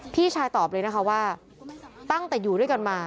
พี่ชายตอบเลยนะคะว่าตั้งแต่อยู่ด้วยกันมา